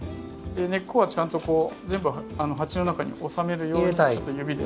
根っこはちゃんと全部鉢の中に収めるように指で。